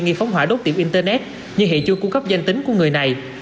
nghi phóng hỏa đốt tiệm internet như hệ chu cung cấp danh tính của người này